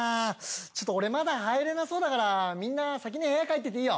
ちょっと俺まだ入れなそうだからみんな先に部屋帰ってていいよ。